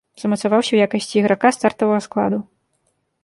Замацаваўся ў якасці іграка стартавага складу.